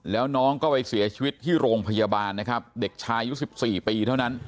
แล้วน้องก็ไปเสียชีวิตที่โรงพยาบาลนะครับเด็กชายอายุ๑๔ปีเท่านั้น